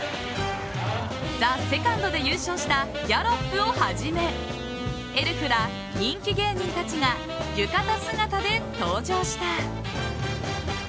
「ＴＨＥＳＥＣＯＮＤ」で優勝したギャロップをはじめエルフら人気芸人たちが浴衣姿で登場した。